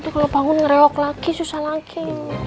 kalau bangun ngerewok lagi susah lagi